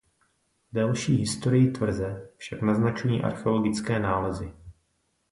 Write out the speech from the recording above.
Delší historii tvrze však naznačují archeologické nálezy.